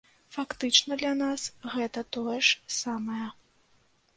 Фактычна, для нас гэта тое ж самае.